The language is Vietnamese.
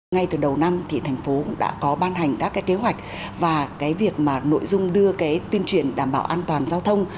ngay từ đầu năm thì thành phố cũng đã có ban hành các cái kế hoạch và cái việc mà nội dung đưa cái tuyên truyền đảm bảo an toàn giao thông